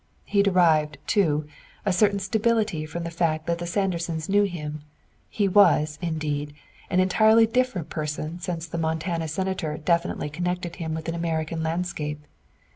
He derived, too, a certain stability from the fact that the Sandersons knew him; he was, indeed, an entirely different person since the Montana Senator definitely connected him with an American landscape.